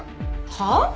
はあ？